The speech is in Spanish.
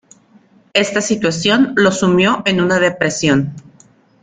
Esta situación lo sumió en una depresión.